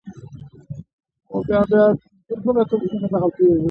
ډاکټر راته درمل راکړل او ویل یې چې په نهاره او مړه یې خوره